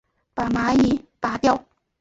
把蚂蚁拨掉